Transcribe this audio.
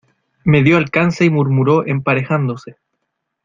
me dió alcance y murmuró emparejándose: